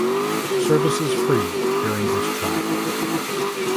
Service is free during this trial.